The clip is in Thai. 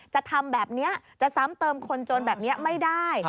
จะทำแบบนี้จะซ้ำเติมคนจนแบบนี้ไม่ได้